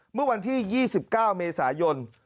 เมื่อวันที่๒๙เมษายน